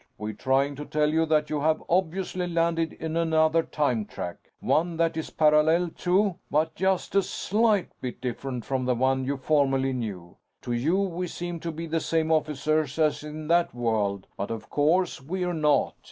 We're trying to tell you that you have obviously landed in another time track. One that is parallel to but just a slight bit different from the one you formerly knew. To you, we seem to be the same officers as in that world; but of course, we're not.